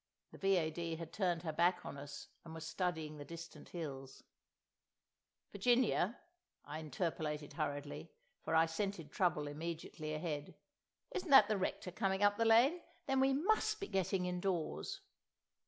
The V.A.D. had turned her back on us and was studying the distant hills. "Virginia," I interpolated hurriedly, for I scented trouble immediately ahead, "isn't that the Rector coming up the lane? Then we must be getting indoors."